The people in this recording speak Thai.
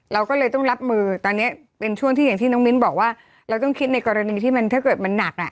เราก็เลยต้องรับมือตอนนี้เป็นช่วงที่อย่างที่น้องมิ้นบอกว่าเราต้องคิดในกรณีที่มันถ้าเกิดมันหนักอ่ะ